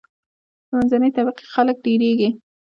د منځنۍ طبقی خلک ډیریږي.